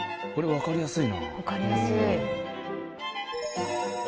わかりやすい。